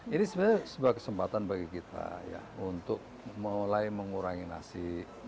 ini sebenarnya sebuah kesempatan bagi kita ya untuk mulai mengurangi nasi